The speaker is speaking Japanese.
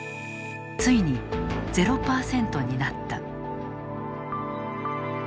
ついに０％になった。